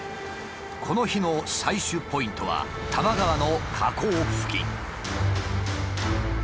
この日の採取ポイントは多摩川の河口付近。